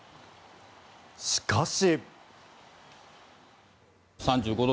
しかし。